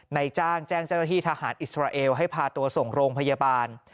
ในจ้างแจ้งเจ้าหน้าที่ทหารอิสราเอลให้พาตัวส่งโรงพยาบาล